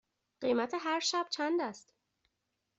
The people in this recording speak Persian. قیمت هر شب چند است؟